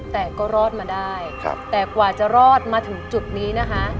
แต่ก็รอดมาได้แต่กว่าจะรอดมาถึงจุดนี้นะคะ